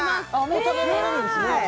もう食べられるんですね